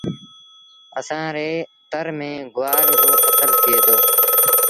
اسآݩ ري تر ميݩ گُوآر رو ڦسل ٿئي دو۔